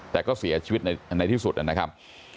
แต่ก็เสียชีวิตในที่สุดนะครับ